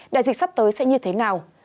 đại dịch sắp tới sẽ như thế nào